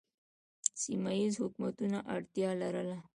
سیمه ییزو حکومتونو اړتیا لرله